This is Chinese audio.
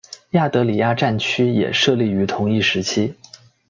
亚德里亚战区也设立于同一时期。